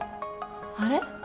あれ？